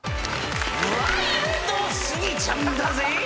ワイルドスギちゃんだぜぇ。